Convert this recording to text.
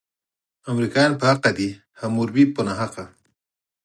امریکایان په حقه دي، حموربي په ناحقه.